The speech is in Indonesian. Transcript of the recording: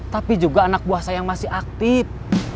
tapi juga anak buah saya yang masih aktif